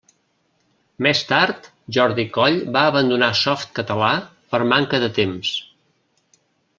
Més tard, Jordi Coll va abandonar Softcatalà per manca de temps.